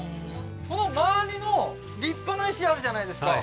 この周りの立派な石あるじゃないですか